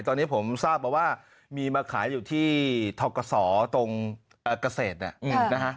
ตอนนี้ผมทราบมาว่ามีมาขายอยู่ที่ทกศตรงเกษตรเนี่ยนะฮะ